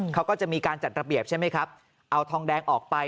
เขาก็จะมีการจัดระเบียบใช่ไหมครับเอาทองแดงออกไป